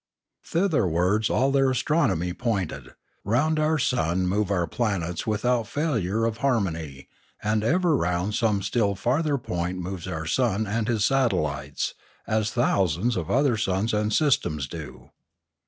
Thitherwards all their astronomy pointed. Round our sun move our planets without failure of harmony, and ever round some still farther point moves our sun and his satellites, as thousands of other suns and sys tems do.